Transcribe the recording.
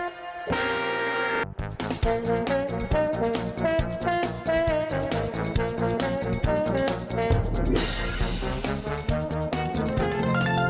โปรดติดตามตอนต่อไป